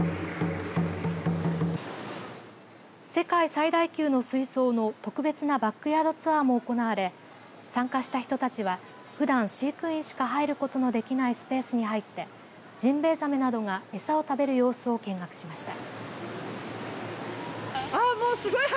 世界最大級の水槽の特別なバックヤードツアーも行われ参加した人たちは、ふだん飼育員しか入ることのできないスペースに入ってジンベエザメなどが餌を食べる様子を見学しました。